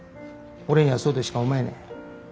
俺にはそうとしか思えねえ。